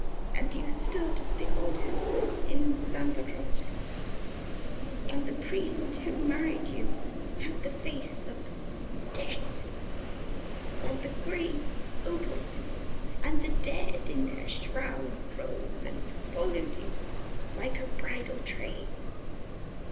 And you stood at the altar in Santa Croce, and the priest who married you had the face of death; and the graves opened, and the dead in their shrouds rose and followed you like a bridal train.